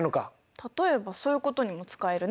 例えばそういうことにも使えるね。